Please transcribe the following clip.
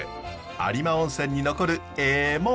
有馬温泉に残るえぇモン。